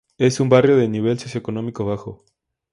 Es un barrio de nivel socioeconómico bajo.